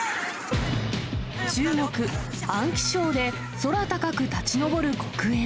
中国・安徽省で、空高く立ち上る黒煙。